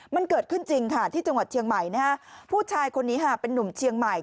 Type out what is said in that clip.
มันเกิดขึ้นจริงค่ะที่จังหวัดเชียงใหม่นะฮะผู้ชายคนนี้ค่ะเป็นนุ่มเชียงใหม่